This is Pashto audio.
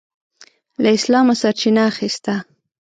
له اسلامه سرچینه اخیسته.